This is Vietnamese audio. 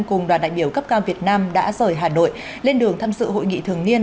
cùng đoàn đại biểu cấp cao việt nam đã rời hà nội lên đường tham dự hội nghị thường niên